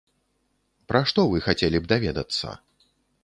Пра што вы хацелі б даведацца?